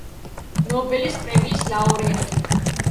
ნობელის პრემიის ლაურეატი.